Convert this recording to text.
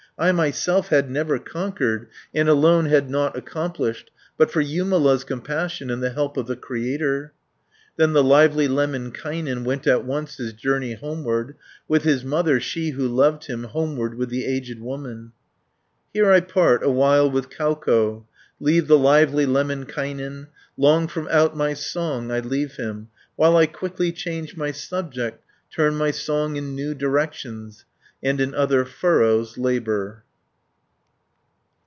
I myself had never conquered, And alone had nought accomplished, But for Jumala's compassion, And the help of the Creator." 640 Then the lively Lemminkainen, Went at once his journey homeward, With his mother, she who loved him, Homeward with the aged woman. Here I part awhile with Kauko, Leave the lively Lemminkainen, Long from out my song I leave him, While I quickly change my subject, Turn my song in new directions, And in other furrows labour.